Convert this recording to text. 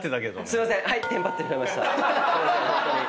すいません。